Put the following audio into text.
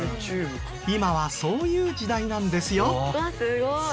今はそういう時代なんですよ。